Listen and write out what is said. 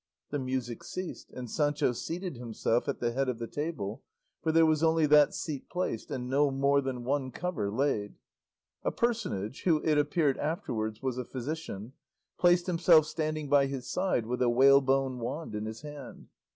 The music ceased, and Sancho seated himself at the head of the table, for there was only that seat placed, and no more than one cover laid. A personage, who it appeared afterwards was a physician, placed himself standing by his side with a whalebone wand in his hand.